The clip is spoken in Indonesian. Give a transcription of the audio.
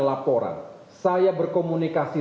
laporan saya berkomunikasi